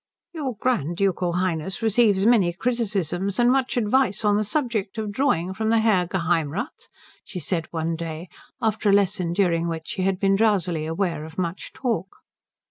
"Your Grand Ducal Highness receives many criticisms and much advice on the subject of drawing from the Herr Geheimrath?" she said one day, after a lesson during which she had been drowsily aware of much talk.